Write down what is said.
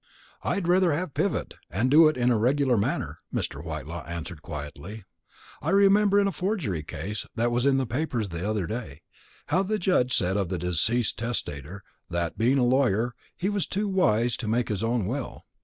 "I'd rather have Pivott, and do it in a regular manner," Mr. Whitelaw answered quietly. "I remember, in a forgery case that was in the papers the other day, how the judge said of the deceased testator, that, being a lawyer, he was too wise to make his own will.